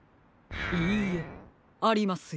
いいえありますよ。